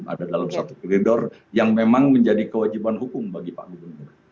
ada dalam satu koridor yang memang menjadi kewajiban hukum bagi pak gubernur